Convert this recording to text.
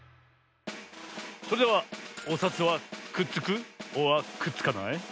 それではおさつはくっつくｏｒくっつかない？